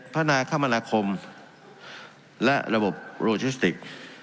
๗พัฒนาค่ามนาคมและระบบโลเจสติก